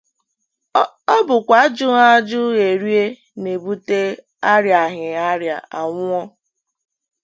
Ọ bụkwa ajụghị ajụ e rie na-ebute arịaghị arịa anwụọ.